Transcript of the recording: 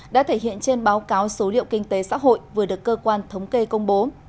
đã thể hiện trên báo cáo số liệu kinh tế xã hội vừa được cơ quan thống kê công bố